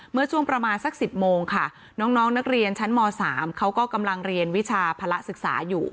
เมื่อช่วงประมาณสัก๑๐โมงค่ะน้องนักเรียนชั้นม๓เขาก็กำลังเรียนวิชาภาระศึกษาอยู่